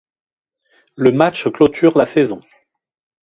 Le match clôture la saison.